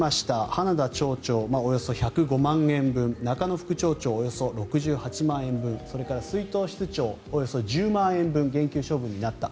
花田町長がおよそ１０５万円分中野副町長、およそ６８万円分それから出納室長、およそ１０万円分減給処分になった。